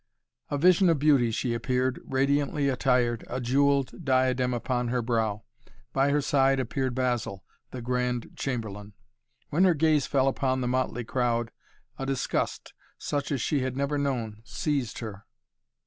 A vision of beauty she appeared, radiantly attired, a jewelled diadem upon her brow. By her side appeared Basil, the Grand Chamberlain. When her gaze fell upon the motley crowd, a disgust, such as she had never known, seized her.